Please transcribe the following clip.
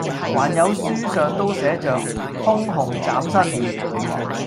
還有書上都寫着，通紅斬新！」